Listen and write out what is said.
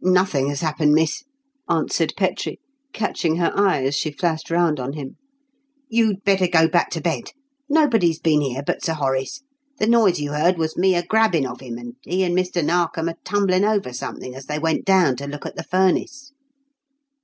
"Nothing has happened, miss," answered Petrie, catching her eye as she flashed round on him. "You'd better go back to bed. Nobody's been here but Sir Horace. The noise you heard was me a grabbing of him, and he and Mr. Narkom a tumbling over something as they went down to look at the furnace."